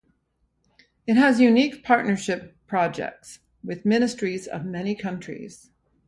It has unique partnership projects with Ministries of many countries.